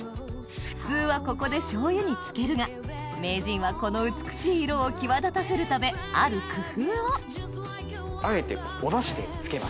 普通はここでしょうゆに漬けるが名人はこの美しい色を際立たせるためある工夫をあえて。